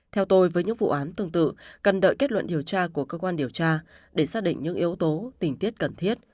theo tôi với những vụ án tương tự cần đợi kết luận điều tra của cơ quan điều tra để xác định những yếu tố tình tiết cần thiết